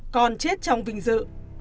còn chết trong vinh dự